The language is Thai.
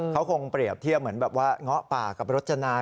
เขาคงเปรียบเทียบเหมือนง๊อกป่ากับรชนา